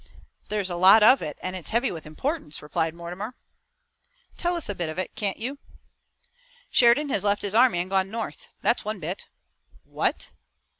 "There's a lot of it, and it's heavy with importance," replied Mortimer. "Tell us a bit of it, can't you?" "Sheridan has left his army and gone north. That's one bit." "What?"